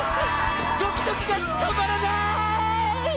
ドキドキがとまらない！